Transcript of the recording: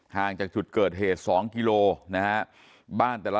ห่างจากจุดเกิดเหตุ๒กิโลนะฮะบ้านแต่ละ